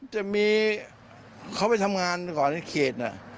จะมีเขาไปทำงานก่อนในเขต